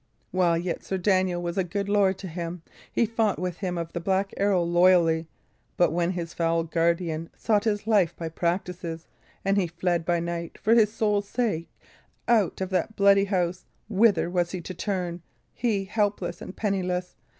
While yet Sir Daniel was a good lord to him, he fought with them of the Black Arrow loyally; but when his foul guardian sought his life by practices, and he fled by night, for his soul's sake, out of that bloody house, whither was he to turn he, helpless and penniless?